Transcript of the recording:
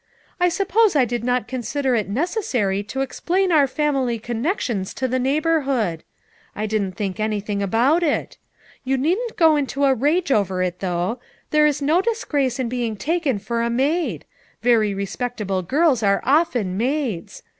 "I suppose I did not consider it necessary to explain our family connections to the neighborhood. I didn't think anything about it. You needn't go into a rage over it, though ; there is no disgrace in being taken for a maid; very respectable girls are often maids.